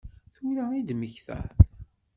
Tura i d-temmektaḍ?